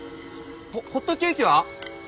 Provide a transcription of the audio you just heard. ホホットケーキは？